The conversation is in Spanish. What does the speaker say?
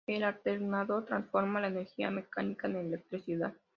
El alternador transforma la energía mecánica en electricidad.